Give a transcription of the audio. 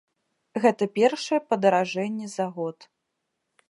Гэта першае падаражэнне за год.